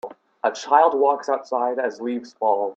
A child walks outside as leaves fall.